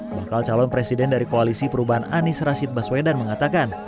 bakal calon presiden dari koalisi perubahan anies rashid baswedan mengatakan